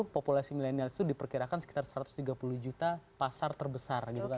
dua ribu tiga puluh populasi millennials itu diperkirakan sekitar satu ratus tiga puluh juta pasar terbesar gitu kan